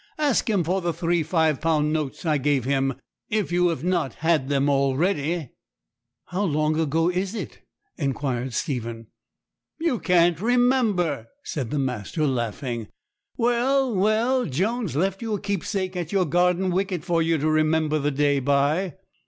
Ask him for the three five pound notes I gave him, if you have not had them already.' 'How long ago is it?' inquired Stephen. 'You can't remember!' said the master, laughing: 'well, well, Jones left you a keepsake at your garden wicket for you to remember the day by.'